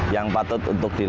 yang patut untuk melihat